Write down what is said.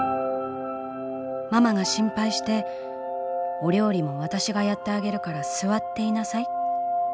ママが心配して『お料理も私がやってあげるから座っていなさい』。